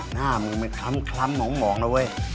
หน้ามันคล้ำหมองแล้วเว้ย